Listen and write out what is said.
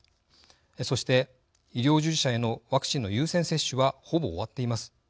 そして医療従事者へのワクチンの優先接種はほぼ終わっています。